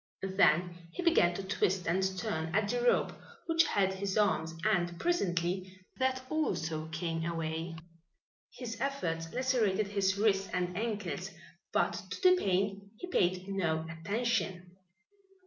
Then he began to twist and turn at the rope which held his arms and presently that also came away. His efforts lacerated his wrists and ankles, but to the pain he paid no attention.